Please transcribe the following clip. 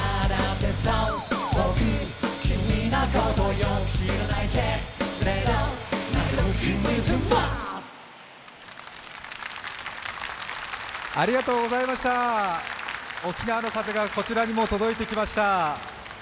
沖縄の風がこちらにも届いてきました。